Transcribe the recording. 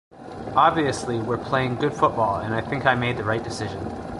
Obviously we're playing good football and I think I made the right decision.